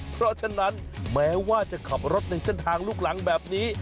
เพราะฉะนั้นแม้ว่าจะขับรถในเส้นทางลูกหลังแบบนี้